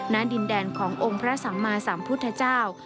ณดินแดนขององค์พระสัมมาสัมพุทธเจ้า